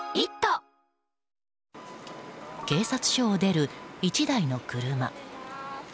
警察署を出る１台の車。